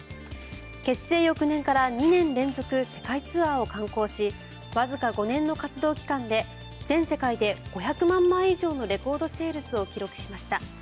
結成翌年から２年連続世界ツアーを敢行しわずか５年の活動期間で全世界で５００万枚以上のレコードセールスを記録しました。